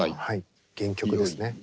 はい原曲ですね。